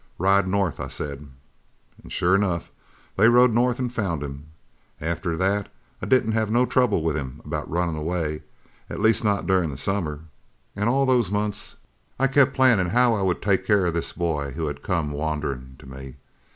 "'Ride north,' I said. "An' sure enough, they rode north an' found him. After that I didn't have no trouble with him about runnin' away at least not durin' the summer. An' all those months I kept plannin' how I would take care of this boy who had come wanderin' to me.